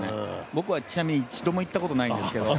僕はちなみに一度も行ったことはないんですけど。